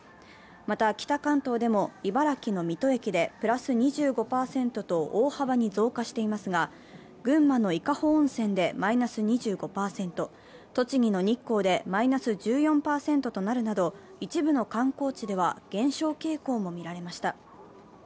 また北関東でも茨城の水戸駅でプラス２５％と大幅に増加していますが、群馬の伊香保温泉でマイナス２５％、栃木の日光でマイナス１４％となるなど一部の観光地では減少傾向もみられました。